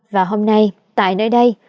và hôm nay tại nơi đây